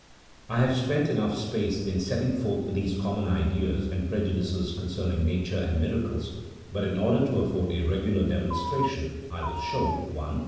I have spent enough space in setting forth these common ideas and prejudices concerning nature and miracles, but in order to afford a regular demonstration I will show — I.